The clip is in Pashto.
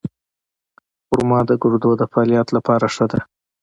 خرما د ګردو د فعالیت لپاره ښه ده.